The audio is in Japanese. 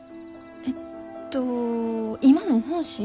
えっと今の本心？